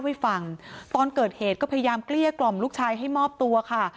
ให้ฟังตอนเกิดเหตุก็พยายามเกลี้ยกล่อมลูกชายให้มอบตัวค่ะ